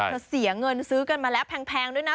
เสียเงินซื้อกันมาแล้วแพงด้วยนะ